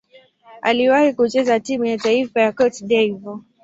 Aliwahi kucheza timu ya taifa ya Cote d'Ivoire.